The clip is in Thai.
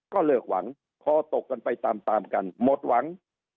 ก็เลิกหวังคอตกกันไปตามตามกันหมดหวัง